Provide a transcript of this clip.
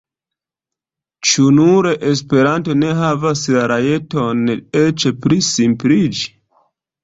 Ĉu nur Esperanto ne havas la rajton eĉ pli simpliĝi?